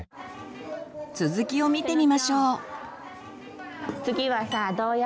続きを見てみましょう。